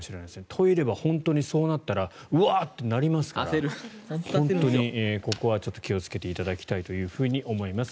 トイレは本当にそうなったらウワーッてなりますから本当にここは気をつけていただきたいと思います。